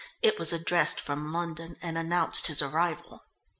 It was addressed from London and announced his arrival.